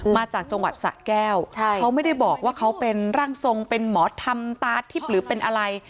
มาจากจังหวัดสะแก้วเขาไม่ได้บอกว่าเขาเป็นร่างทรงเป็นหมอธรรมตาทิพย์หรือเป็นอะไร